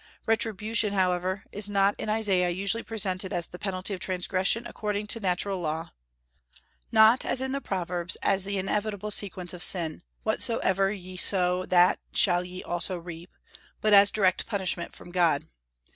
Retribution, however, is not in Isaiah usually presented as the penalty of transgression according to natural law; not, as in the Proverbs, as the inevitable sequence of sin, "Whatsoever ye sow, that shall ye also reap," but as direct punishment from God.